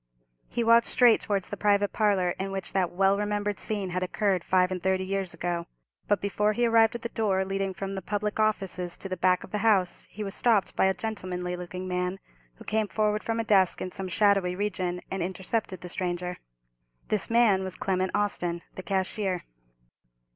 He walked straight towards the private parlour in which that well remembered scene had occurred five and thirty years ago. But before he arrived at the door leading from the public offices to the back of the house, he was stopped by a gentlemanly looking man, who came forward from a desk in some shadowy region, and intercepted the stranger. This man was Clement Austin, the cashier.